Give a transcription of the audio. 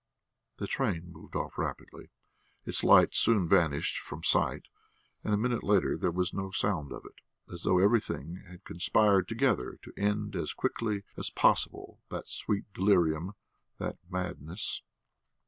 The train moved off rapidly, its lights soon vanished from sight, and a minute later there was no sound of it, as though everything had conspired together to end as quickly as possible that sweet delirium, that madness.